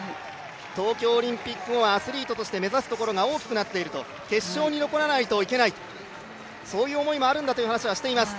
東京オリンピック後アスリートとして目指すところが大きくなっていると決勝に残らないといけない、そういう思いもあるんだという話をしています。